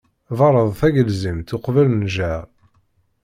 Berred tagelzimt, uqbel nnjeṛ.